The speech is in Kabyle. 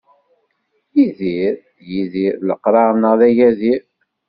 Idir, idir, leqraṛ-nneɣ d agadir.